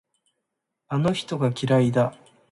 あの人が嫌いだ。